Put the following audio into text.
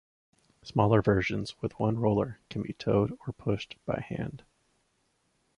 Smaller versions with one roller can be towed or pushed by hand.